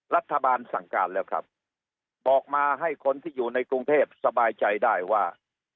รัฐบาลสั่งการแล้วครับบอกมาให้คนที่อยู่ในกรุงเทพสบายใจได้ว่า